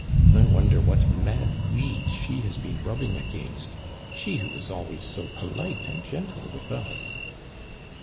I wonder what mad weed she has been rubbing against, she who is always so polite and gentle with us."